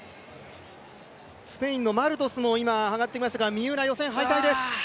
スペインのマルトスも上がってきましたので三浦、予選敗退です。